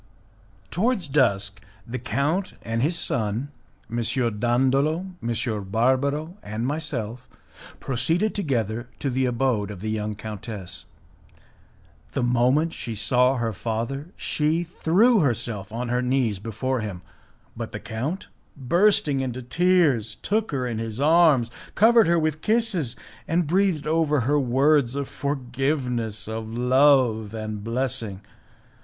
Towards dusk, the count and his son, M. Dandolo, M. Barbaro, and myself, proceeded together to the abode of the young countess. The moment she saw her father, she threw herself on her knees before him, but the count, bursting into tears, took her in his arms, covered her with kisses, and breathed over her words of forgiveness, of love and blessing.